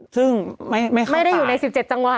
ซึ่งไม่เข้าต่างไม่ได้อยู่ใน๑๗จังหวัด